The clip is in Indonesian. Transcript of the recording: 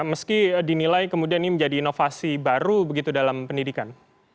meski dinilai kemudian ini menjadi inovasi baru begitu dalam pendidikan